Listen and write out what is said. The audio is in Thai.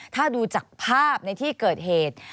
ถ้าดูจากภาพในที่เกิดเหตุ